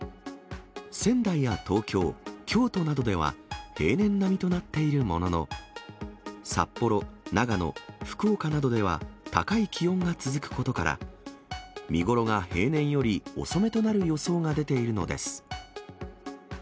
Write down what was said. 仙台や東京、京都などでは、平年並みとなっているものの、札幌、長野、福岡などでは、高い気温が続くことから、見頃が平年より遅めとなる予想が出ているのです。